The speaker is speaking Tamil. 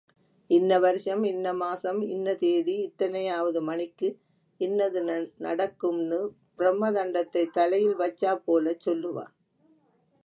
இன்ன வருஷம், இன்னமாசம், இன்ன தேதி இத்தனையாவது மணிக்கு இன்னது நடக்கும்னு பிரம்மதண்டத்தை தலையில வச்சாப்போலச் சொல்லுவான்.